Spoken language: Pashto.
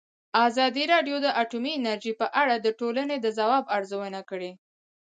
ازادي راډیو د اټومي انرژي په اړه د ټولنې د ځواب ارزونه کړې.